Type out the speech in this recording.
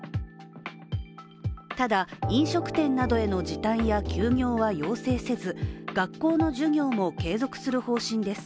ただ飲食店などへの時短や休業は要請せず、学校の授業も継続する方針です。